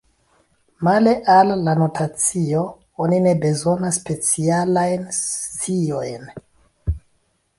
Male al la notacio oni ne bezonas specialajn sciojn.